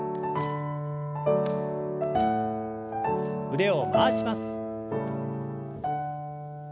腕を回します。